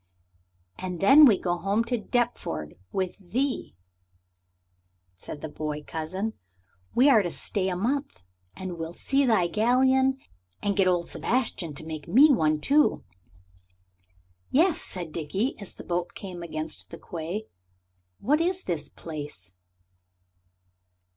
"And then we go home to Deptford with thee," said the boy cousin. "We are to stay a month. And we'll see thy galleon, and get old Sebastian to make me one too...." "Yes," said Dickie, as the boat came against the quay. "What is this place?"